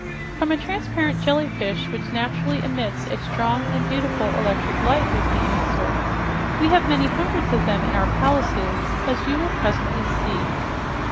"From a transparent jellyfish which naturally emits a strong and beautiful electric light," was the answer. "We have many hundreds of them in our palaces, as you will presently see."